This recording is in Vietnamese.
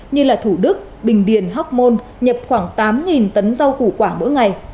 như thủ đức bình điền hóc môn nhập khoảng tám tấn rau củ quả mỗi ngày